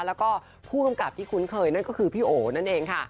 แล้วก็ผู้กำกับที่คุ้นเคยนั่นก็คือพี่โอนั่นเองค่ะ